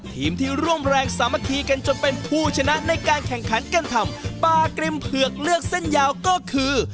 ทีมที่ร่วมแรงสามัคคีกันจนเป็นผู้ชนะในการแข่งขันกันทำปลากริมเผือกเลือกเส้นยาวก็คือ